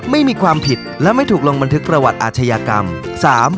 ไม่มีความผิดและไม่ถูกลงบันทึกประวัติอาชญากรรม